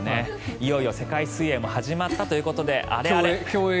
いよいよ、世界水泳も始まったということで。